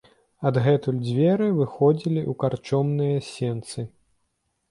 Адгэтуль дзверы выходзілі ў карчомныя сенцы.